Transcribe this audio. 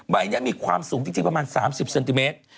ใบนี้มีความสูงจริงประมาณ๓๐เซนติเมตร